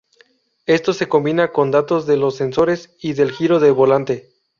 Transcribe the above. Esto se combina con datos de los sensores y del giro de volante.